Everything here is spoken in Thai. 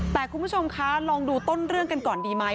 แต่คุณผู้ชมคะลองดูต้นเรื่องกันก่อนดีไหม